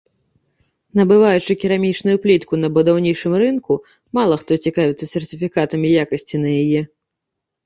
Набываючы керамічную плітку на будаўнічым рынку, мала хто цікавіцца сертыфікатам якасці на яе.